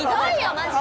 マジで。